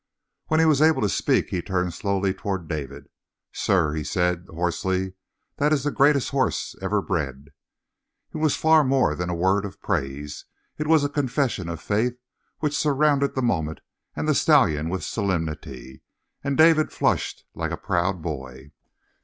When he was able to speak he turned slowly toward David. "Sir," he said hoarsely, "that is the greatest horse ever bred." It was far more than a word of praise; it was a confession of faith which surrounded the moment and the stallion with solemnity, and David flushed like a proud boy.